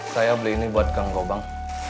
saya beli ini buat kangkobang